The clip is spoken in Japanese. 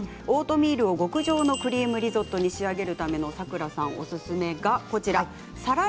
オートミールを極上のクリームリゾットに仕上げるためのおすすめがこちらです。